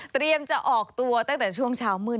เตรียมจะออกตัวตั้งแต่ช่วงชาวมืด